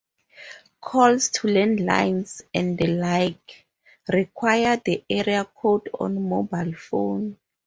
Calls to landlines, and the like, require the area code on mobile phone.